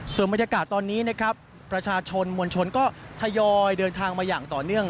ส่วนบรรยากาศตอนนี้นะครับประชาชนมวลชนก็ทยอยเดินทางมาอย่างต่อเนื่อง